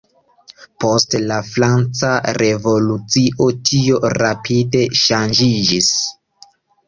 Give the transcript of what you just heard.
Post la Franca Revolucio tio rapide ŝanĝiĝis.